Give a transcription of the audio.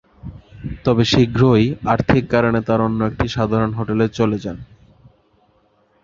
তবে শীঘ্রই আর্থিক কারণে তাঁরা অন্য একটি সাধারণ হোটেলে চলে যান।